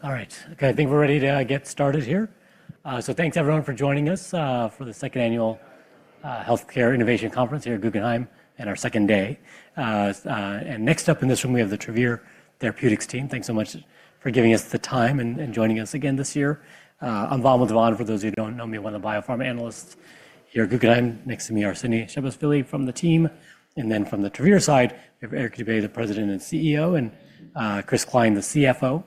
All right. Okay, I think we're ready to get started here. Thanks, everyone, for joining us for the second annual Healthcare Innovation Conference here at Guggenheim and our second day. Next up in this room, we have the Travere Therapeutics team. Thanks so much for giving us the time and joining us again this year. I'm Vamil Divan. For those who do not know me, I'm one of the biopharma analysts here at Guggenheim. Next to me are [Suneja] and [Chattopadhyay] from the team. From the Travere side, we have Eric Dube, the President and CEO, and Chris Cline, the CFO.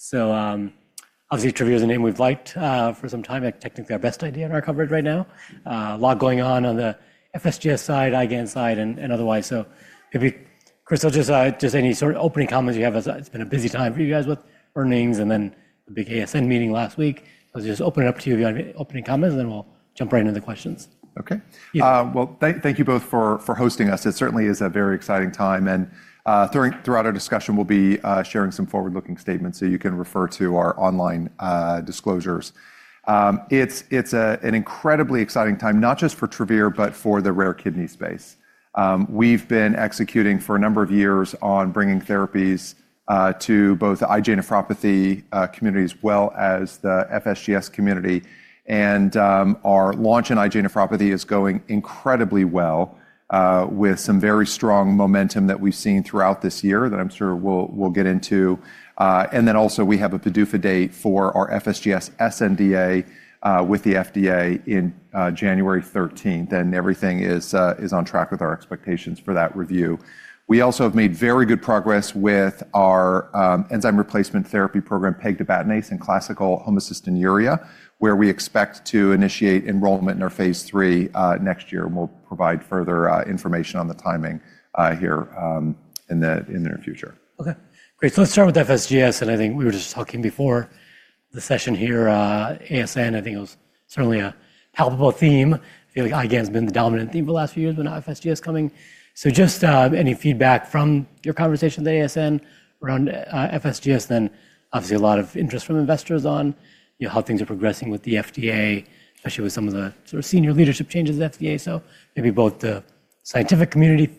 Travere is a name we've liked for some time. Technically, our best idea in our coverage right now. A lot going on on the FSGS side, IgAN's side, and otherwise. Maybe, Chris, I'll just say any sort of opening comments you have. It's been a busy time for you guys with earnings and then the big ASN meeting last week. I'll just open it up to you if you have any opening comments, and then we'll jump right into the questions. Okay. Thank you both for hosting us. It certainly is a very exciting time. Throughout our discussion, we'll be sharing some forward-looking statements so you can refer to our online disclosures. It's an incredibly exciting time, not just for Travere, but for the rare kidney space. We've been executing for a number of years on bringing therapies to both the IgA nephropathy community as well as the FSGS community. Our launch in IgA nephropathy is going incredibly well with some very strong momentum that we've seen throughout this year that I'm sure we'll get into. We have a PDUFA date for our FSGS SNDA with the FDA on January 13. Everything is on track with our expectations for that review. We also have made very good progress with our enzyme replacement therapy program, pegtibatinase in classical homocystinuria, where we expect to initiate enrollment in our phase three next year. We'll provide further information on the timing here in the near future. Okay. Great. Let's start with FSGS. I think we were just talking before the session here, ASN, I think it was certainly a palpable theme. I feel like IgAN has been the dominant theme for the last few years with FSGS coming. Just any feedback from your conversation with ASN around FSGS, then obviously a lot of interest from investors on how things are progressing with the FDA, especially with some of the sort of senior leadership changes at FDA. Maybe both the scientific community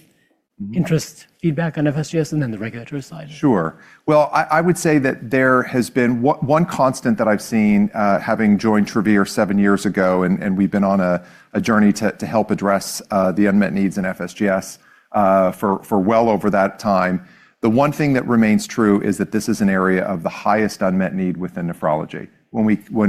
interest, feedback on FSGS, and then the regulatory side. Sure. I would say that there has been one constant that I've seen having joined Travere seven years ago, and we've been on a journey to help address the unmet needs in FSGS for well over that time. The one thing that remains true is that this is an area of the highest unmet need within nephrology. When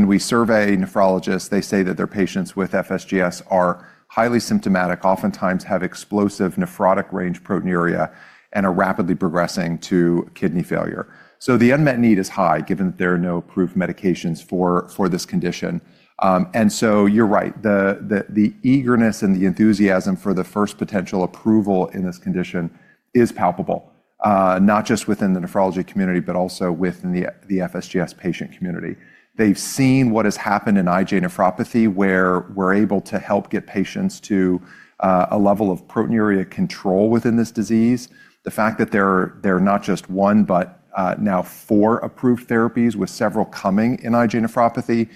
we survey nephrologists, they say that their patients with FSGS are highly symptomatic, oftentimes have explosive nephrotic-range proteinuria, and are rapidly progressing to kidney failure. The unmet need is high, given that there are no approved medications for this condition. You're right. The eagerness and the enthusiasm for the first potential approval in this condition is palpable, not just within the nephrology community, but also within the FSGS patient community. They've seen what has happened in IgA nephropathy, where we're able to help get patients to a level of proteinuria control within this disease. The fact that there are not just one, but now four approved therapies, with several coming in IgA nephropathy,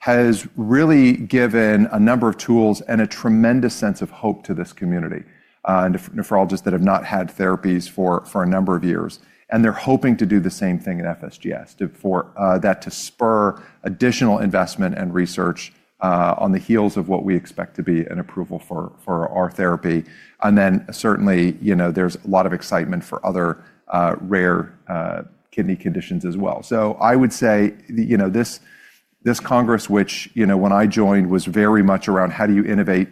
has really given a number of tools and a tremendous sense of hope to this community and nephrologists that have not had therapies for a number of years. They are hoping to do the same thing in FSGS, for that to spur additional investment and research on the heels of what we expect to be an approval for our therapy. There is certainly a lot of excitement for other rare kidney conditions as well. I would say this congress, which when I joined was very much around how do you innovate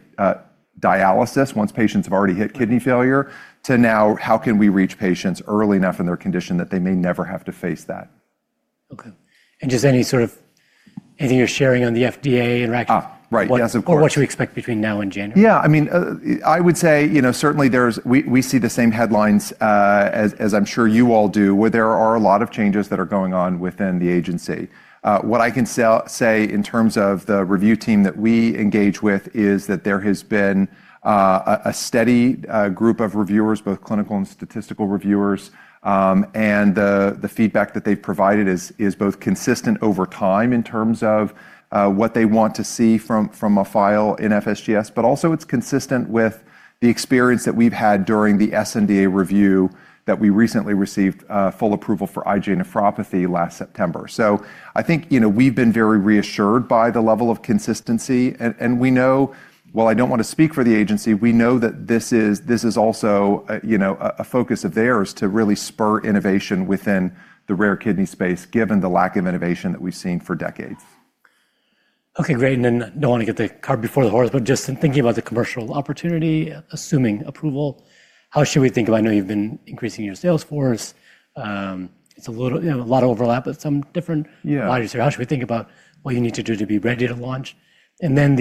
dialysis once patients have already hit kidney failure, to now how can we reach patients early enough in their condition that they may never have to face that. Okay. And just any sort of anything you're sharing on the FDA? Right. Yes, of course. Or what you expect between now and January. Yeah. I mean, I would say certainly we see the same headlines, as I'm sure you all do, where there are a lot of changes that are going on within the agency. What I can say in terms of the review team that we engage with is that there has been a steady group of reviewers, both clinical and statistical reviewers. The feedback that they've provided is both consistent over time in terms of what they want to see from a file in FSGS, but also it's consistent with the experience that we've had during the SNDA review that we recently received full approval for IgA nephropathy last September. I think we've been very reassured by the level of consistency. We know, while I do not want to speak for the agency, we know that this is also a focus of theirs to really spur innovation within the rare kidney space, given the lack of innovation that we have seen for decades. Okay. Great. And then do not want to get the cart before the horse, but just thinking about the commercial opportunity, assuming approval, how should we think about, I know you have been increasing your sales force, it is a lot of overlap with some different bodies here, how should we think about what you need to do to be ready to launch? And then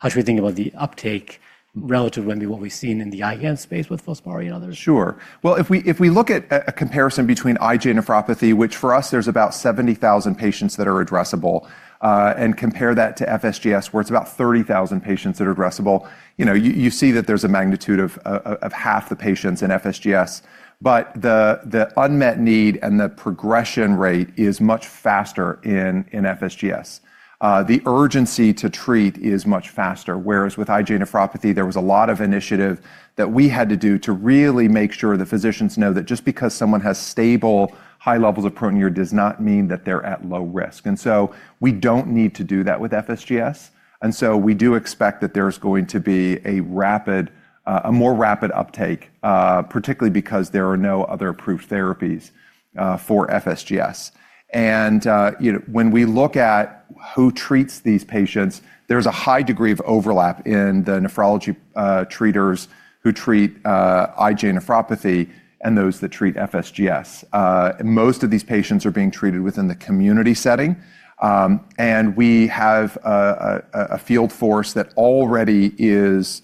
how should we think about the uptake relative to maybe what we have seen in the IgAN space with Filspari and others? Sure. If we look at a comparison between IgA nephropathy, which for us, there's about 70,000 patients that are addressable, and compare that to FSGS, where it's about 30,000 patients that are addressable, you see that there's a magnitude of half the patients in FSGS. The unmet need and the progression rate is much faster in FSGS. The urgency to treat is much faster, whereas with IgA nephropathy, there was a lot of initiative that we had to do to really make sure the physicians know that just because someone has stable, high levels of proteinuria does not mean that they're at low risk. We don't need to do that with FSGS. We do expect that there's going to be a more rapid uptake, particularly because there are no other approved therapies for FSGS. When we look at who treats these patients, there is a high degree of overlap in the nephrology treaters who treat IgA nephropathy and those that treat FSGS. Most of these patients are being treated within the community setting. We have a field force that already is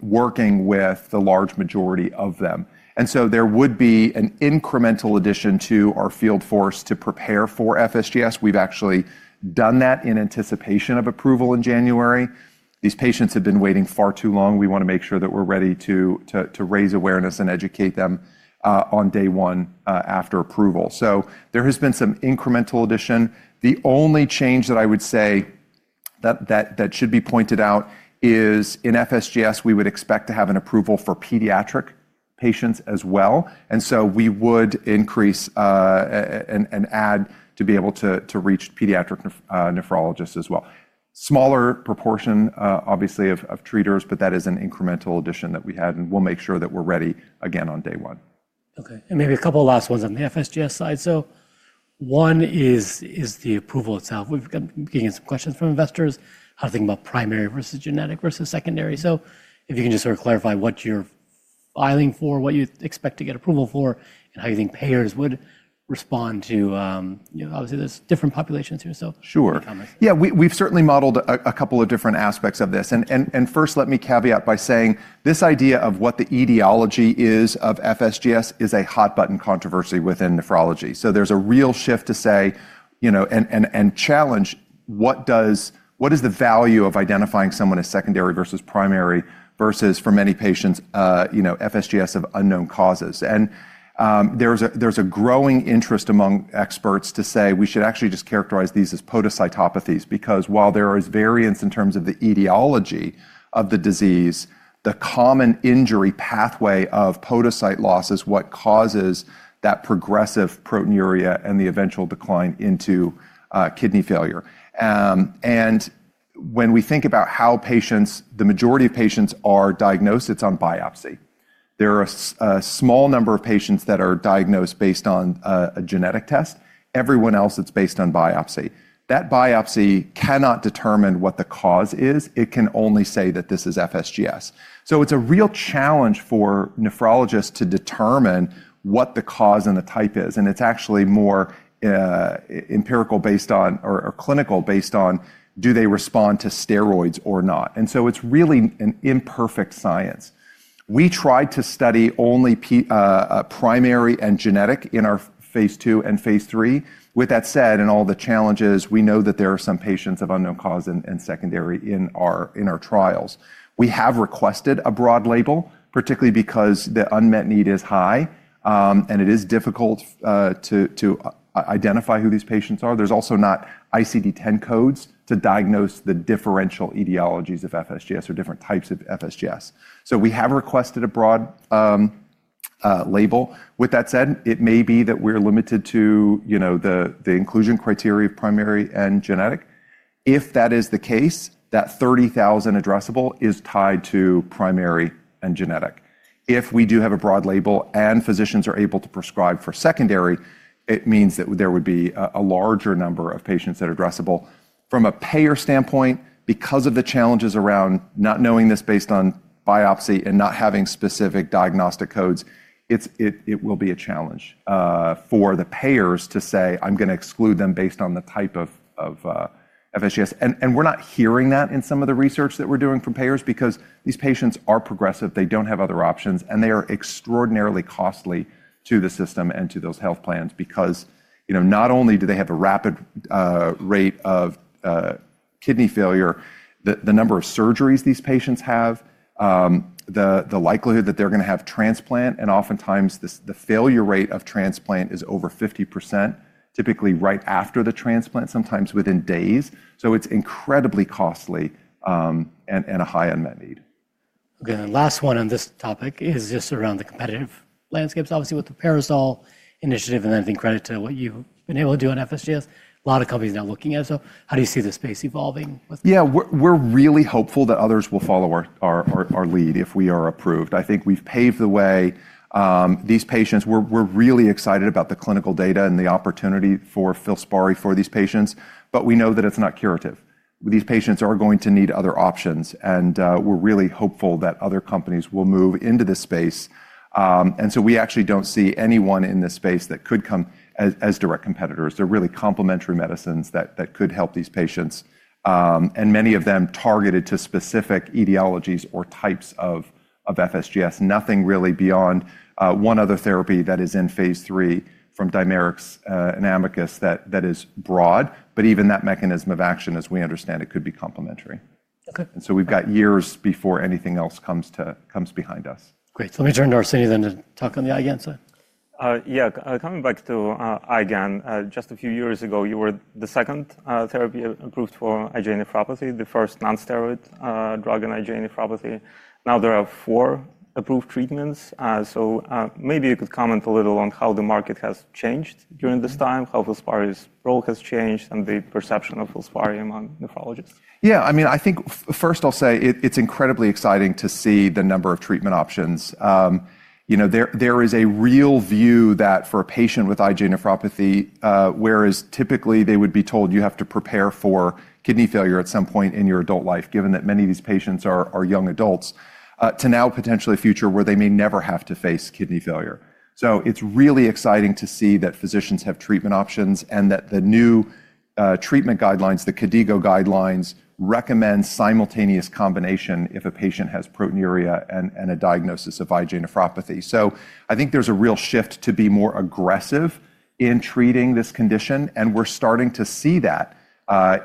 working with the large majority of them. There would be an incremental addition to our field force to prepare for FSGS. We have actually done that in anticipation of approval in January. These patients have been waiting far too long. We want to make sure that we are ready to raise awareness and educate them on day one after approval. There has been some incremental addition. The only change that I would say that should be pointed out is in FSGS, we would expect to have an approval for pediatric patients as well. We would increase and add to be able to reach pediatric nephrologists as well. Smaller proportion, obviously, of treaters, but that is an incremental addition that we had. We will make sure that we are ready again on day one. Okay. Maybe a couple of last ones on the FSGS side. One is the approval itself. We've been getting some questions from investors how to think about primary versus genetic versus secondary. If you can just sort of clarify what you're filing for, what you expect to get approval for, and how you think payers would respond to, obviously, there's different populations here. Sure. Yeah. We've certainly modeled a couple of different aspects of this. First, let me caveat by saying this idea of what the etiology is of FSGS is a hot-button controversy within nephrology. There is a real shift to say and challenge what is the value of identifying someone as secondary versus primary versus, for many patients, FSGS of unknown causes. There is a growing interest among experts to say we should actually just characterize these as podocytopathies because while there is variance in terms of the etiology of the disease, the common injury pathway of podocyte loss is what causes that progressive proteinuria and the eventual decline into kidney failure. When we think about how patients, the majority of patients are diagnosed, it's on biopsy. There are a small number of patients that are diagnosed based on a genetic test. Everyone else, it's based on biopsy. That biopsy cannot determine what the cause is. It can only say that this is FSGS. It is a real challenge for nephrologists to determine what the cause and the type is. It is actually more empirical based on or clinical based on do they respond to steroids or not. It is really an imperfect science. We tried to study only primary and genetic in our phase two and phase three. With that said, and all the challenges, we know that there are some patients of unknown cause and secondary in our trials. We have requested a broad label, particularly because the unmet need is high, and it is difficult to identify who these patients are. There is also not ICD-10 codes to diagnose the differential etiologies of FSGS or different types of FSGS. We have requested a broad label. With that said, it may be that we're limited to the inclusion criteria of primary and genetic. If that is the case, that 30,000 addressable is tied to primary and genetic. If we do have a broad label and physicians are able to prescribe for secondary, it means that there would be a larger number of patients that are addressable. From a payer standpoint, because of the challenges around not knowing this based on biopsy and not having specific diagnostic codes, it will be a challenge for the payers to say, "I'm going to exclude them based on the type of FSGS." We're not hearing that in some of the research that we're doing for payers because these patients are progressive. They don't have other options. They are extraordinarily costly to the system and to those health plans because not only do they have a rapid rate of kidney failure, the number of surgeries these patients have, the likelihood that they're going to have transplant, and oftentimes the failure rate of transplant is over 50%, typically right after the transplant, sometimes within days. It is incredibly costly and a high unmet need. Okay. Last one on this topic is just around the competitive landscapes. Obviously, with the Parasol initiative and then the credit to what you've been able to do on FSGS, a lot of companies now looking at it. How do you see the space evolving? Yeah. We're really hopeful that others will follow our lead if we are approved. I think we've paved the way. These patients, we're really excited about the clinical data and the opportunity for Filspari for these patients. We know that it's not curative. These patients are going to need other options. We're really hopeful that other companies will move into this space. We actually don't see anyone in this space that could come as direct competitors. They're really complementary medicines that could help these patients. Many of them targeted to specific etiologies or types of FSGS, nothing really beyond one other therapy that is in phase three from Dimerix and Amicus that is broad. Even that mechanism of action, as we understand it, could be complementary. We've got years before anything else comes behind us. Great. Let me turn to [Suneja] then to talk on the IgAN's side. Yeah. Coming back to IgAN, just a few years ago, you were the second therapy approved for IgA nephropathy, the first non-steroid drug in IgA nephropathy. Now there are four approved treatments. Maybe you could comment a little on how the market has changed during this time, how Filspari's role has changed, and the perception of Filspari among nephrologists. Yeah. I mean, I think first I'll say it's incredibly exciting to see the number of treatment options. There is a real view that for a patient with IgA nephropathy, whereas typically they would be told you have to prepare for kidney failure at some point in your adult life, given that many of these patients are young adults, to now potentially a future where they may never have to face kidney failure. It's really exciting to see that physicians have treatment options and that the new treatment guidelines, the KDIGO Guidelines, recommend simultaneous combination if a patient has proteinuria and a diagnosis of IgA nephropathy. I think there's a real shift to be more aggressive in treating this condition. We're starting to see that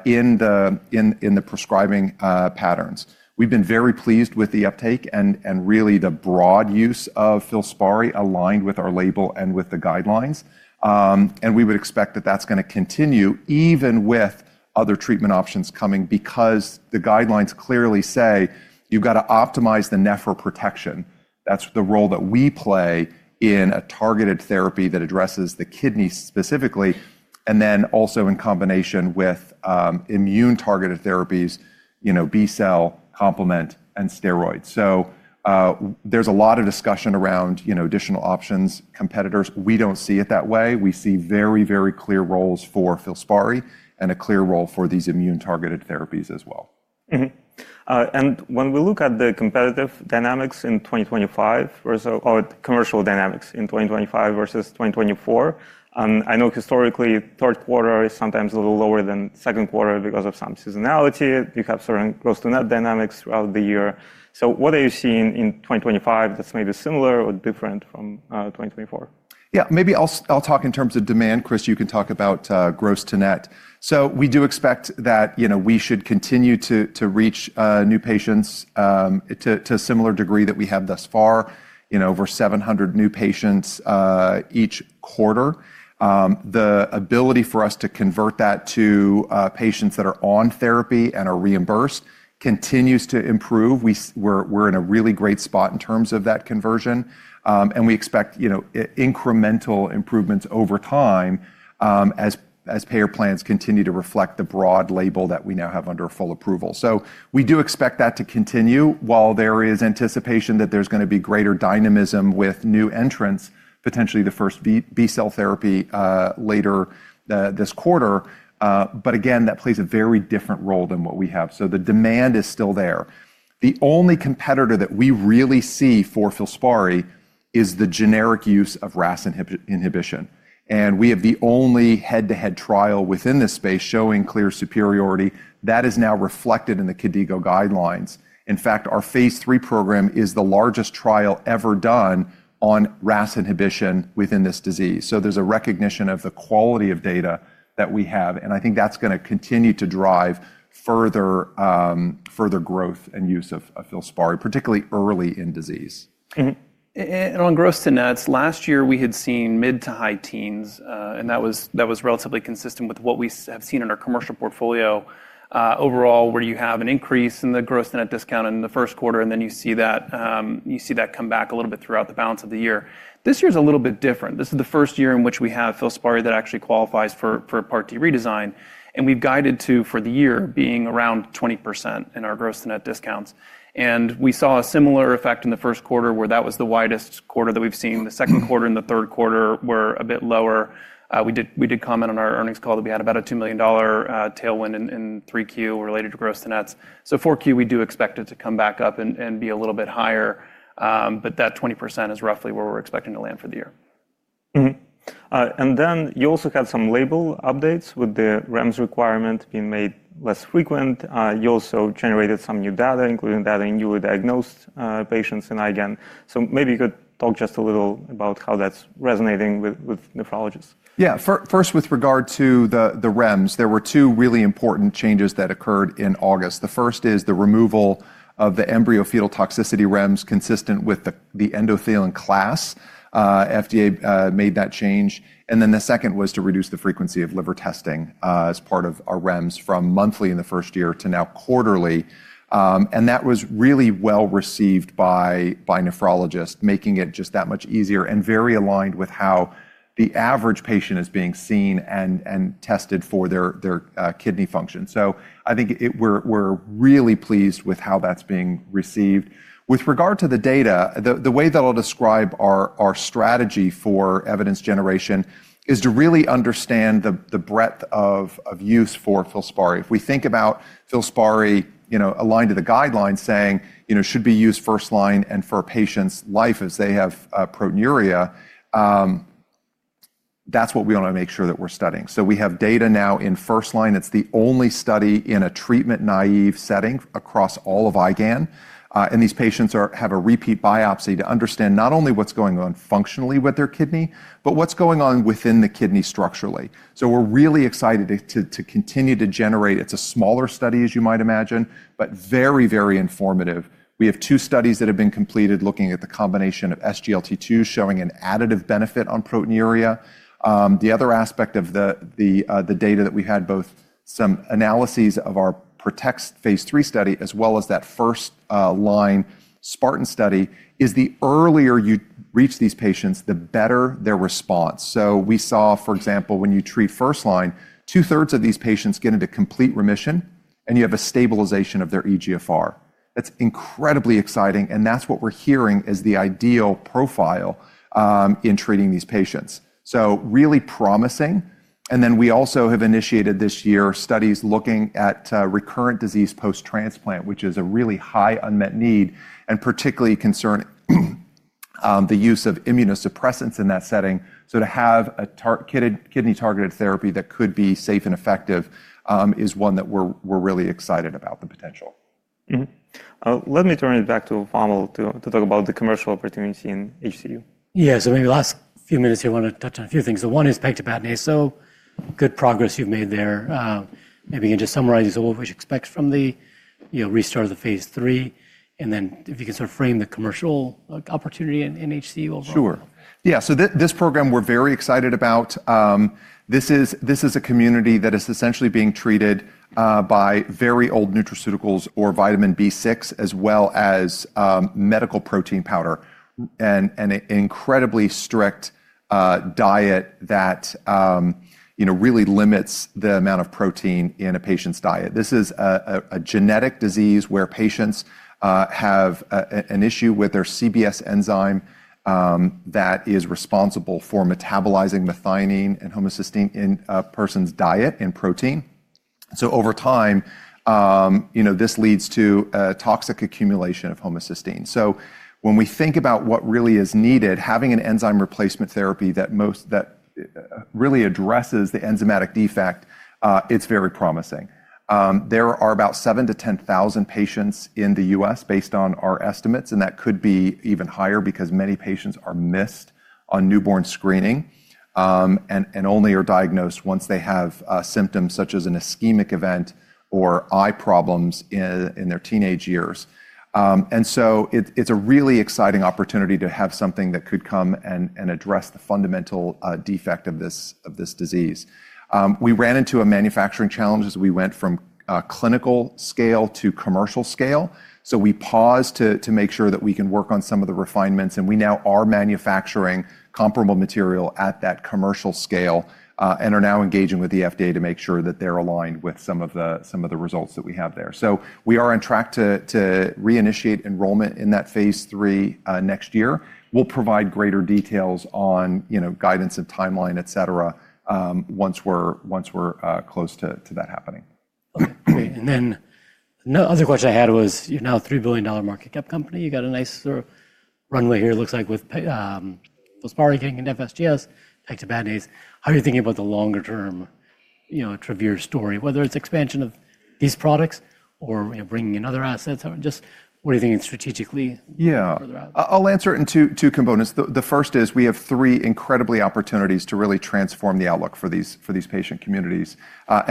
in the prescribing patterns. We've been very pleased with the uptake and really the broad use of Filspari aligned with our label and with the guidelines. We would expect that that's going to continue even with other treatment options coming because the guidelines clearly say you've got to optimize the nephroprotection. That's the role that we play in a targeted therapy that addresses the kidney specifically, and then also in combination with immune targeted therapies, B-cell complement and steroids. There is a lot of discussion around additional options, competitors. We do not see it that way. We see very, very clear roles for Filspari and a clear role for these immune targeted therapies as well. When we look at the competitive dynamics in 2025 or commercial dynamics in 2025 versus 2024, I know historically third quarter is sometimes a little lower than second quarter because of some seasonality. You have certain gross-to-net dynamics throughout the year. What are you seeing in 2025 that is maybe similar or different from 2024? Yeah. Maybe I'll talk in terms of demand. Chris, you can talk about gross-to-net. We do expect that we should continue to reach new patients to a similar degree that we have thus far, over 700 new patients each quarter. The ability for us to convert that to patients that are on therapy and are reimbursed continues to improve. We are in a really great spot in terms of that conversion. We expect incremental improvements over time as payer plans continue to reflect the broad label that we now have under full approval. We do expect that to continue while there is anticipation that there is going to be greater dynamism with new entrants, potentially the first B-cell therapy later this quarter. Again, that plays a very different role than what we have. The demand is still there. The only competitor that we really see for Filspari is the generic use of RAS inhibition. We have the only head-to-head trial within this space showing clear superiority that is now reflected in the KDIGO guidelines. In fact, our phase three program is the largest trial ever done on RAS inhibition within this disease. There is a recognition of the quality of data that we have. I think that is going to continue to drive further growth and use of Filspari, particularly early in disease. On gross-to-net, last year we had seen mid to high teens. That was relatively consistent with what we have seen in our commercial portfolio. Overall, you have an increase in the gross-to-net discount in the first quarter, and then you see that come back a little bit throughout the balance of the year. This year is a little bit different. This is the first year in which we have Filspari that actually qualifies for Part D redesign. We have guided to for the year being around 20% in our gross-to-net discounts. We saw a similar effect in the first quarter where that was the widest quarter that we have seen. The second quarter and the third quarter were a bit lower. We did comment on our earnings call that we had about a $2 million tailwind in 3Q related to gross-to-nets. 4Q, we do expect it to come back up and be a little bit higher. That 20% is roughly where we're expecting to land for the year. You also had some label updates with the REMS requirement being made less frequent. You also generated some new data, including data in newly diagnosed patients in IgAN. Maybe you could talk just a little about how that's resonating with nephrologists. Yeah. First, with regard to the REMS, there were two really important changes that occurred in August. The first is the removal of the embryo fetal toxicity REMS consistent with the endothelin class. FDA made that change. The second was to reduce the frequency of liver testing as part of our REMS from monthly in the first year to now quarterly. That was really well received by nephrologists, making it just that much easier and very aligned with how the average patient is being seen and tested for their kidney function. I think we're really pleased with how that's being received. With regard to the data, the way that I'll describe our strategy for evidence generation is to really understand the breadth of use for Filspari. If we think about Filspari aligned to the guidelines saying should be used first line and for a patient's life as they have proteinuria, that's what we want to make sure that we're studying. We have data now in first line. It's the only study in a treatment-naive setting across all of IgAN. These patients have a repeat biopsy to understand not only what's going on functionally with their kidney, but what's going on within the kidney structurally. We're really excited to continue to generate. It's a smaller study, as you might imagine, but very, very informative. We have two studies that have been completed looking at the combination of SGLT2 showing an additive benefit on proteinuria. The other aspect of the data that we had, both some analyses of our PROTECT phase three study as well as that first line SPARTAN study, is the earlier you reach these patients, the better their response. We saw, for example, when you treat first line, two-thirds of these patients get into complete remission, and you have a stabilization of their eGFR. That is incredibly exciting. That is what we are hearing is the ideal profile in treating these patients. Really promising. We also have initiated this year studies looking at recurrent disease post-transplant, which is a really high unmet need and particularly concerning the use of immunosuppressants in that setting. To have a kidney-targeted therapy that could be safe and effective is one that we are really excited about the potential. Let me turn it back to VamiI to talk about the commercial opportunity in HCU. Yeah. Maybe last few minutes here, I want to touch on a few things. One is pegtibatinase. Good progress you've made there. Maybe you can just summarize what we should expect from the restart of the phase three. If you can sort of frame the commercial opportunity in HCU overall. Sure. Yeah. So this program we're very excited about. This is a community that is essentially being treated by very old nutraceuticals or vitamin B6, as well as medical protein powder and an incredibly strict diet that really limits the amount of protein in a patient's diet. This is a genetic disease where patients have an issue with their CBS enzyme that is responsible for metabolizing methionine and homocysteine in a person's diet and protein. Over time, this leads to toxic accumulation of homocysteine. When we think about what really is needed, having an enzyme replacement therapy that really addresses the enzymatic defect, it's very promising. There are about 7,000-10,000 patients in the US based on our estimates. That could be even higher because many patients are missed on newborn screening and only are diagnosed once they have symptoms such as an ischemic event or eye problems in their teenage years. It is a really exciting opportunity to have something that could come and address the fundamental defect of this disease. We ran into a manufacturing challenge as we went from clinical scale to commercial scale. We paused to make sure that we can work on some of the refinements. We now are manufacturing comparable material at that commercial scale and are now engaging with the FDA to make sure that they are aligned with some of the results that we have there. We are on track to reinitiate enrollment in that phase three next year. We will provide greater details on guidance and timeline, etc., once we are close to that happening. Okay. Great. Another question I had was you're now a $3 billion market cap company. You've got a nice sort of runway here, it looks like, with Filspari getting into FSGS, pegtibatinase. How are you thinking about the longer-term Travere story, whether it's expansion of these products or bringing in other assets? Just what are you thinking strategically? Yeah. I'll answer it in two components. The first is we have three incredible opportunities to really transform the outlook for these patient communities.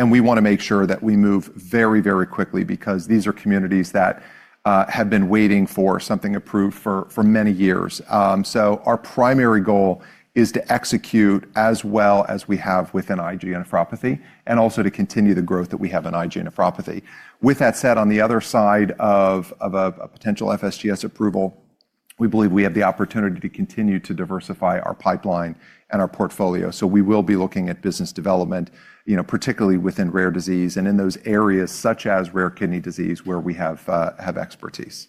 We want to make sure that we move very, very quickly because these are communities that have been waiting for something approved for many years. Our primary goal is to execute as well as we have within IgA nephropathy and also to continue the growth that we have in IgA nephropathy. With that said, on the other side of a potential FSGS approval, we believe we have the opportunity to continue to diversify our pipeline and our portfolio. We will be looking at business development, particularly within rare disease and in those areas such as rare kidney disease where we have expertise.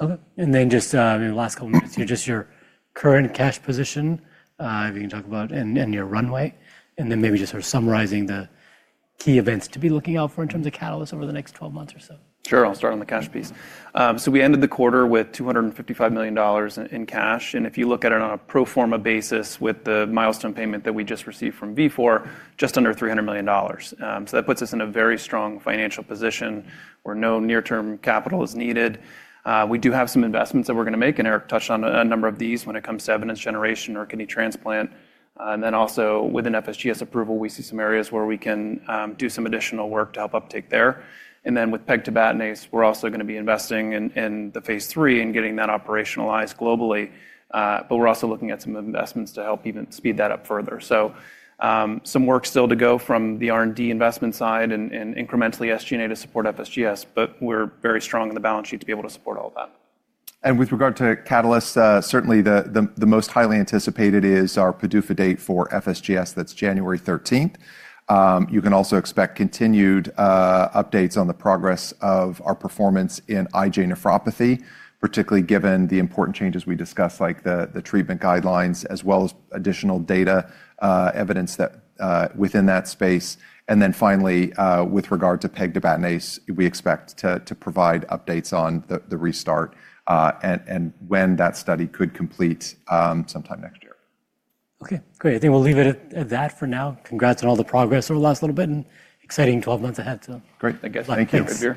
Okay. And then just maybe last couple of minutes, just your current cash position, if you can talk about, and your runway. And then maybe just sort of summarizing the key events to be looking out for in terms of catalysts over the next 12 months or so. Sure. I'll start on the cash piece. We ended the quarter with $255 million in cash. If you look at it on a pro forma basis with the milestone payment that we just received from Vifor, just under $300 million. That puts us in a very strong financial position where no near-term capital is needed. We do have some investments that we're going to make, and Eric touched on a number of these when it comes to evidence generation or kidney transplant. Also, with an FSGS approval, we see some areas where we can do some additional work to help uptake there. With pegtibatinase, we're also going to be investing in the phase three and getting that operationalized globally. We're also looking at some investments to help even speed that up further. Some work still to go from the R&D investment side and incrementally SGNA to support FSGS, but we're very strong in the balance sheet to be able to support all that. With regard to catalysts, certainly the most highly anticipated is our PDUFA date for FSGS. That is January 13th. You can also expect continued updates on the progress of our performance in IgA nephropathy, particularly given the important changes we discussed, like the treatment guidelines, as well as additional data evidence within that space. Finally, with regard to pegtibatinase, we expect to provide updates on the restart and when that study could complete sometime next year. Okay. Great. I think we'll leave it at that for now. Congrats on all the progress over the last little bit and exciting 12 months ahead. Great. Thank you. Thank you.